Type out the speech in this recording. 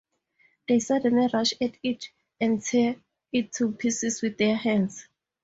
They suddenly rush at it and tear it to pieces with their hands.